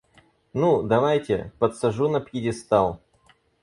Ну, давайте, подсажу на пьедестал.